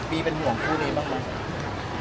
มีเป็นห่วงผู้นี้บ้าง